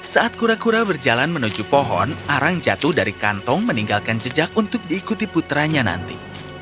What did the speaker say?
saat kura kura berjalan menuju pohon arang jatuh dari kantong meninggalkan jejak untuk diikuti putranya nanti